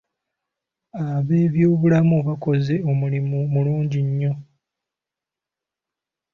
Ab'ebyobulamu bakoze omulimu omulungi ennyo